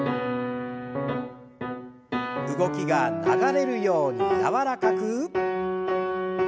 動きが流れるように柔らかく。